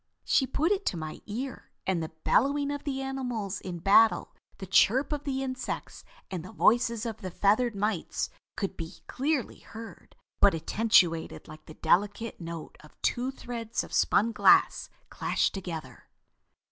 She put it to my ear, and the bellowing of the animals in battle, the chirp of the insects and the voices of the feathered mites could be clearly heard, but attenuated like the delicate note of two threads of spun glass clashed together."